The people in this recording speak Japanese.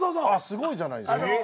すごいじゃないですか。